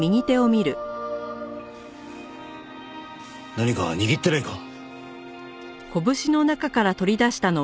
何か握ってないか？